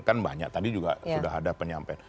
kan banyak tadi juga sudah ada penyampaian